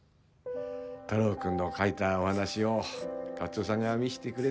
太郎くんの書いたお話を勝夫さんが見してくれて。